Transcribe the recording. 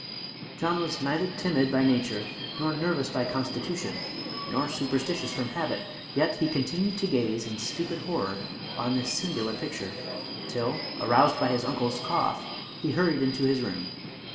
John was neither timid by nature, nor nervous by constitution, nor superstitious from habit, yet he continued to gaze in stupid horror on this singular picture, till, aroused by his uncle's cough, he hurried into his room.